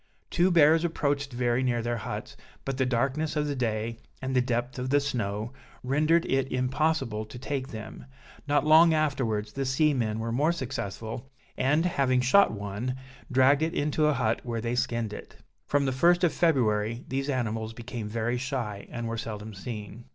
Two bears approached very near their huts, but the darkness of the day, and the depth of the snow, rendered it impossible to take them; not long afterwards the seamen were more successful, and, having shot one, dragged it into a hut, where they skinned it. From the 1st of February these animals became very shy, and were seldom seen.